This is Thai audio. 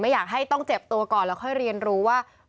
อยากให้ต้องเจ็บตัวก่อนแล้วค่อยเรียนรู้ว่า